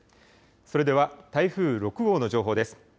それでは台風６号の情報です。